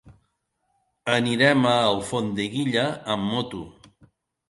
Anirem a Alfondeguilla amb moto.